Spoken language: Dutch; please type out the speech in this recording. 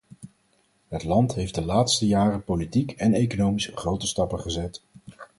Het land heeft de laatste jaren politiek en economisch grote stappen gezet.